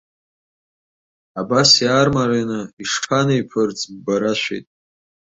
Абас иаармарианы ишԥанеиԥырҵ, ббаарашәит.